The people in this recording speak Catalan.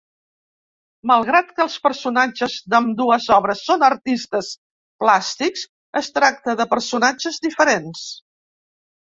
Malgrat que els personatges d'ambdues obres són artistes plàstics, es tracta de personatges diferents.